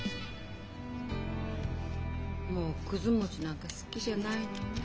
もうくず餅なんか好きじゃないのに。